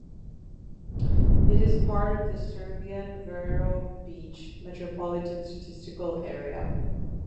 It is part of the Sebastian-Vero Beach Metropolitan Statistical Area.